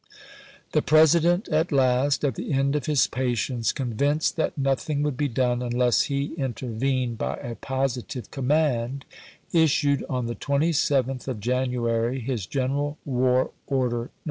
The President at last, at the end of his patience, 160 ABEAHAM LINCOLN Chap. IX. cotivinoed that nothing would be done unless he intervened by a positive command, issued on the 1862. 27th of January his " General War Order, No.